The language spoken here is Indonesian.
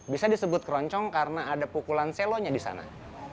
bisa disebut keroncong karena ada pukulan selonya di sana